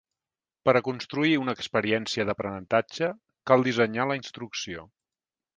Per a construir una experiència d'aprenentatge cal dissenyar la instrucció.